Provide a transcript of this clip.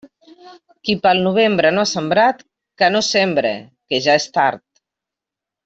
Qui pel novembre no ha sembrat, que no sembre, que ja és tard.